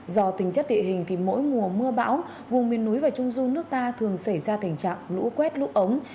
do tính chất địa hình thì mỗi mùa mưa bão vùng miền núi và trung du nước ta thường xảy ra tình trạng lũ quét lũ ống